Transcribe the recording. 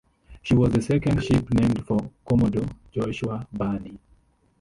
She was the second ship named for Commodore Joshua Barney.